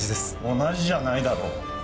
同じじゃないだろ？